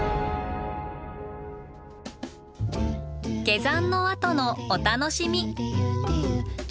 下山のあとのお楽しみ。